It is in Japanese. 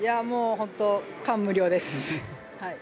本当に感無量です。